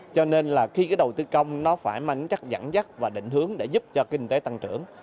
cho nên là khi cái đầu tư công nó phải mang tính chất dẫn dắt và định hướng để giúp cho kinh tế tăng trưởng